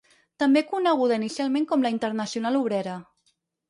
També coneguda inicialment com la Internacional Obrera.